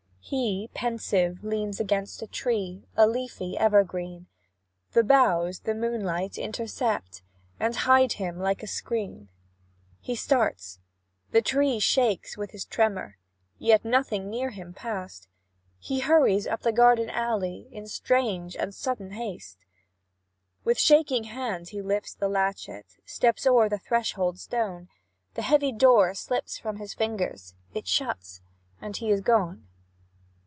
He, pensive, leans against a tree, A leafy evergreen, The boughs, the moonlight, intercept, And hide him like a screen He starts the tree shakes with his tremor, Yet nothing near him pass'd; He hurries up the garden alley, In strangely sudden haste. With shaking hand, he lifts the latchet, Steps o'er the threshold stone; The heavy door slips from his fingers It shuts, and he is gone.